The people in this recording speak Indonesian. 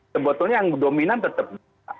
sebetulnya yang dominan terjadi adalah